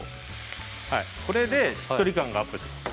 これでしっとり感がアップします。